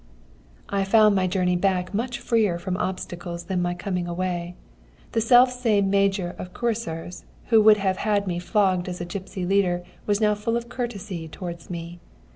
"I found my journey back much freer from obstacles than my coming away. The self same major of cuirassiers who would have had me flogged as a gipsy leader was now full of courtesy towards me.